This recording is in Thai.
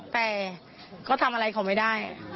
แต่ก็ทำอะไรเขาไม่ได้